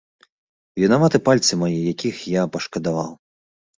Вінаваты пальцы мае, якіх я пашкадаваў.